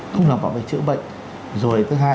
không đảm bảo về chữa bệnh rồi thứ hai